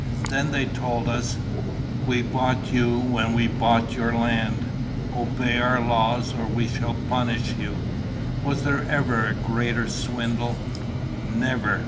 Then they told us, 'We bought you when we bought your land. Obey our laws, or we shall punish you.' Was there ever a greater swindle?" "Never!"